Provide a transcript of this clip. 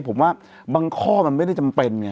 ผมว่าบางข้อมันไม่ได้จำเป็นไง